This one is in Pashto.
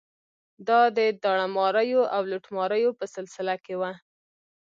دا د داړه ماریو او لوټماریو په سلسله کې وه.